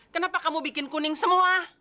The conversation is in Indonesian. kenapa kamu bikin kuning semua